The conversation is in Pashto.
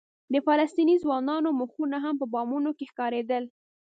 د فلسطیني ځوانانو مخونه هم په بامونو کې ښکارېدل.